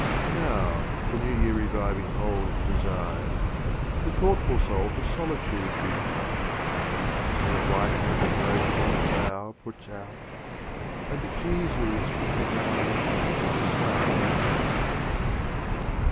IV. Now the New Year reviving old Desires, The thoughtful Soul to Solitude retires, Where the White Hand of Moses on the Bough Puts out, and Jesus from the Ground suspires.